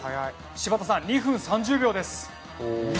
柴田さん２分３０秒です。